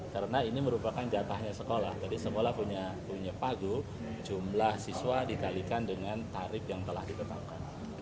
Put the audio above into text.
karena ini merupakan jatahnya sekolah jadi sekolah punya pagu jumlah siswa dikalikan dengan tarif yang telah diketahukan